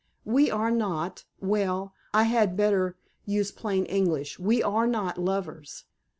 We are not—well, I had better use plain English—we are not lovers.